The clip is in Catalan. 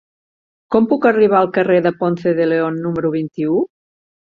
Com puc arribar al carrer de Ponce de León número vint-i-u?